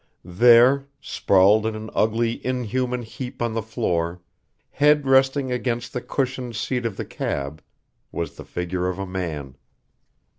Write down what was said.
There, sprawled in an ugly, inhuman heap on the floor, head resting against the cushioned seat of the cab, was the figure of a man.